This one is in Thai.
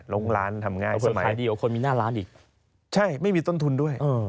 ต้องล้านทำง่ายสมัยมีน่าร้านอีกใช่ไม่มีต้นทุนด้วยอืม